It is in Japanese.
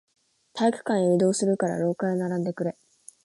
体育館へ移動するから、廊下へ並んでくれ。